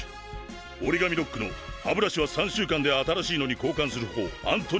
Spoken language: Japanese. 折紙ロックの歯ブラシは３週間で新しいのに交換するほうアントニオだ。